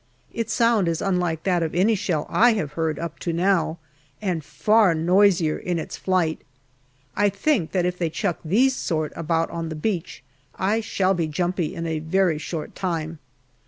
Its sound is unlike that of any shell I have heard up to now, and far noisier in its flight ; I think that if they chuck these sort about on the beach I shall be jumpy in a very short time.